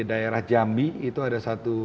daerah jambi itu ada satu